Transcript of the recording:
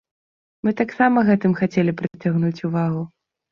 Мы таксама гэтым хацелі прыцягнуць увагу.